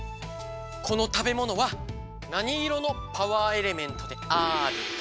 このたべものは何色のパワーエレメントであるか？